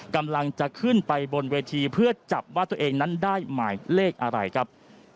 กำลังจะขึ้นไปบนเวทีเพื่อจับว่าตัวเองนั้นได้หมายเลขอะไรครับ